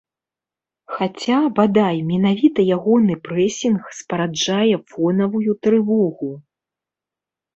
Хаця, бадай, менавіта ягоны прэсінг спараджае фонавую трывогу.